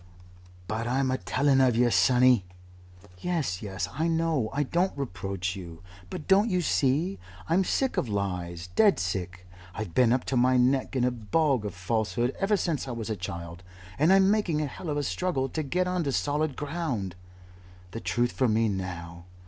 "But I'm a telling of yer, sonny " "Yes, yes, I know. I don't reproach you. But don't you see? I'm sick of lies. Dead sick. I've been up to my neck in a bog of falsehood ever since I was a child and I'm making a hell of a struggle to get on to solid ground. The Truth for me now.